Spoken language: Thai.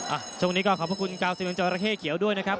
อ่ะช่วงนี้ก็ขอบพระคุณก้าวซิมังจอยราเคเกียวด้วยนะครับ